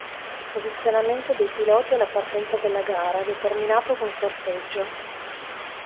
Posizionamento dei piloti alla partenza della gara, determinato con sorteggio.